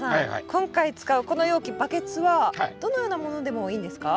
今回使うこの容器バケツはどのようなものでもいいんですか？